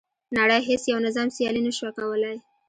نړۍ هیڅ یو نظام سیالي نه شوه کولای.